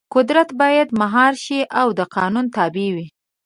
قدرت باید مهار شي او د قانون تابع وي.